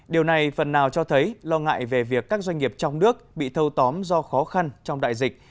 điều này phần nào cho thấy lo ngại về việc các doanh nghiệp trong nước bị thâu tóm do khó khăn trong đại dịch